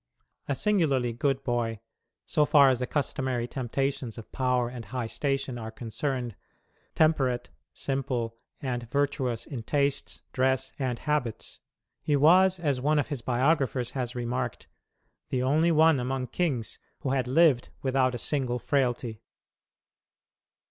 A singularly good boy, so far as the customary temptations of power and high station are concerned temperate, simple, and virtuous in tastes, dress, and habits he was, as one of his biographers has remarked, "the only one among kings who had lived without a single frailty."